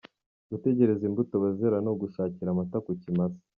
Gutegereza imbuto bazera ni ugushakira amata ku kimasa.